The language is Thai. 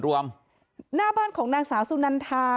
สวัสดีคุณผู้ชายสวัสดีคุณผู้ชาย